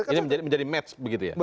ini menjadi match begitu ya